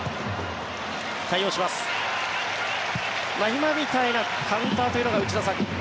今みたいなカウンターというのが内田さん